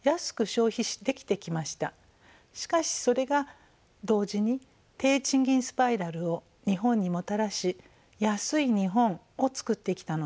しかしそれが同時に低賃金スパイラルを日本にもたらし「安い日本」をつくってきたのです。